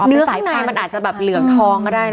อ๋อเนื้อข้างในมันอาจจะเหลืองทองก็ได้นะ